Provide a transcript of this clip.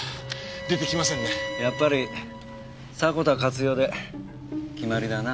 やっぱり迫田勝代で決まりだな。